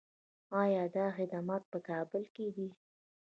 آیا دا خدمات په کابل کې دي؟